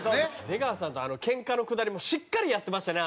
出川さんとケンカのくだりもしっかりやってましたね。